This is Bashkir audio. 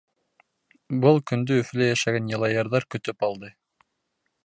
Был көндө Өфөлә йәшәгән йылайырҙар көтөп алды.